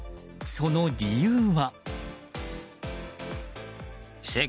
その理由は。